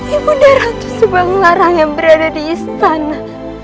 ibunda ratu seorang larang yang berada di istana